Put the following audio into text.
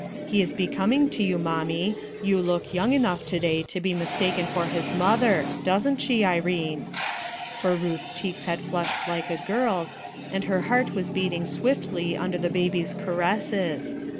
He is becoming to you, mommic. You look young enough to day to bo mistaken for his mother. Doesn't she, Irene?" For Ruth's checks had flushed like a girl's, and her heart was beating swiftly under the baby's caresses.